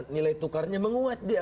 nilai tukarnya menguat dia